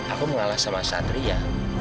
aku mengalah sama satria